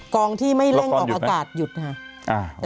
กองที่ไม่เร่งออกอากาศหยุดค่ะ